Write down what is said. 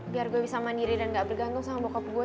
biar gue bisa mandiri dan gak bergantung sama bokop gue